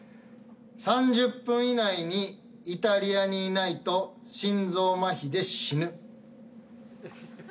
「３０分以内にイタリアにいないと心臓まひで死ぬ」